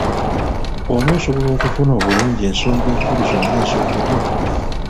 Onaasobola okufuna obulungi ensonga enkulu zonna ezoogerwa.